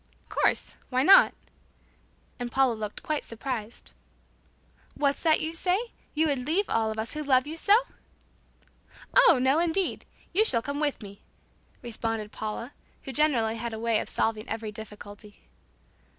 "Of course. Why not?" and Paula looked quite surprised. "What's that you say? You would leave all of us who love you so?" "Oh, no indeed, you shall all come with me," responded Paula, who generally had a way of solving every difficulty.